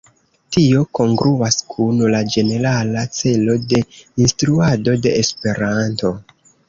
Tio kongruas kun la ĝenerala celo de instruado de Esperanto.